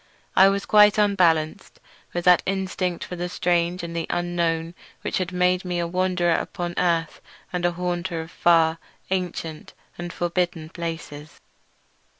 I was quite unbalanced with that instinct for the strange and the unknown which has made me a wanderer upon earth and a haunter of far, ancient, and forbidden places.